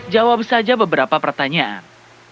jawab saja beberapa pertanyaan